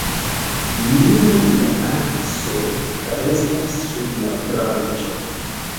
Nur la akso restas sur la branĉo.